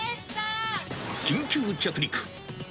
緊急着陸。